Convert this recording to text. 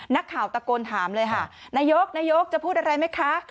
นักข่าวตะโกนถามเลยค่ะนายกนายกจะพูดอะไรไหมคะ